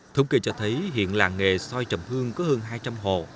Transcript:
thống kỳ cho thấy hiện làng nghề xoay trầm hương có hơn hai trăm linh hộ